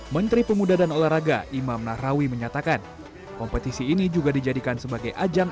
menteri pemuda dan olahraga imam nahrawi menyatakan kompetisi ini juga dijadikan sebagai ajang